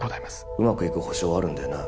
うまくいく保証あるんだよな？